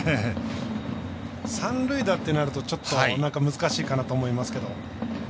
三塁打ってなると、ちょっと難しいかなと思いますが。